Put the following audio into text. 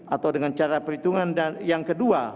atau dengan cara perhitungan yang kedua